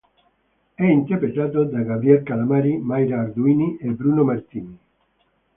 È interpretato da Gabriel Calamari, Mayra Arduini e Bruno Martini.